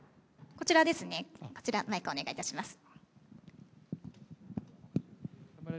こちらですね、こちら、マイクお願いいたします。